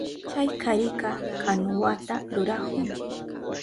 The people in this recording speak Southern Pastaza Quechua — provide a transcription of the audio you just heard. Chay karika kanuwata rurahun.